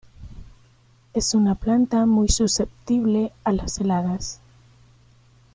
Es una planta muy susceptible a las heladas.